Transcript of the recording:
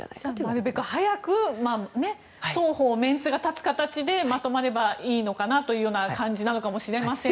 なるべく早く双方、メンツが立つ形でまとまればいいのかなという感じなのかもしれませんが。